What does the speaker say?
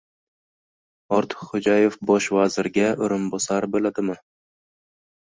Ortiqxo‘jayev Bosh vazirga o‘rinbosar bo‘ladimi?